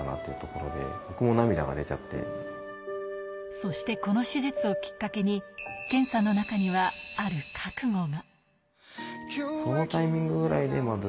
そしてこの手術をきっかけに、謙さんの中には、ある覚悟が。